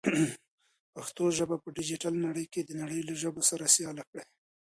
پښتو ژبه په ډیجیټل نړۍ کې د نړۍ له ژبو سره سیاله کړئ.